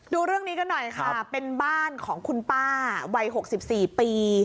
ดูเรื่องนี้กันหน่อยค่ะเป็นบ้านของคุณป้าวัย๖๔ปี